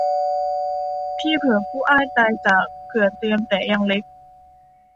พี่เผือผู้อ้ายตายจากเผือเตรียมแต่ยังเล็ก